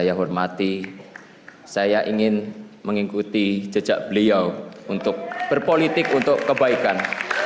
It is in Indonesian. saya hormati saya ingin mengikuti jejak beliau untuk berpolitik untuk kebaikan